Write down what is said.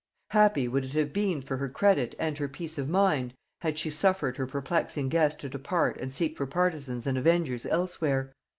Happy would it have been for her credit and her peace of mind, had she suffered her perplexing guest to depart and seek for partisans and avengers elsewhere!